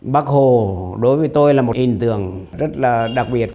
bác hồ đối với tôi là một hình tượng rất là đặc biệt